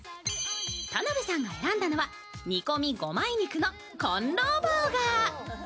田辺さんが選んだのは煮込み五枚肉のコンロー・バオガー。